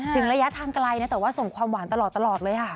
ระยะทางไกลนะแต่ว่าส่งความหวานตลอดเลยค่ะ